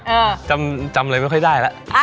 เอ่อจำอะไรไม่ได้แหละ